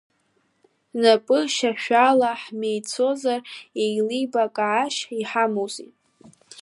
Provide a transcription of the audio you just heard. Напы-шьашәала ҳмеицәажәозар еилибакаашьас иҳамоузеи.